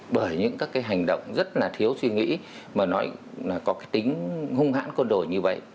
bởi những các cái hành động rất là thiếu suy nghĩ mà nó có cái tính hung hãn quân đội như vậy